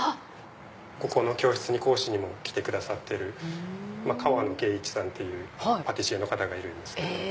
ここの教室に講師にも来てくださってる川野圭一さんっていうパティシエの方がいるんですけど。